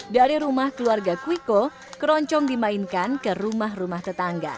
dari rumah keluarga kuiko keroncong dimainkan ke rumah rumah tetangga